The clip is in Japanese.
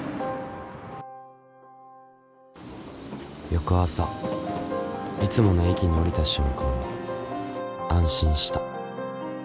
翌朝いつもの駅に降りた瞬間チッ。